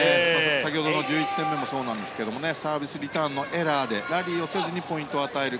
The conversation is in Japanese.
先ほどの１１点目もそうなんですけどサービスリターンのエラーでラリーをせずポイントを与える。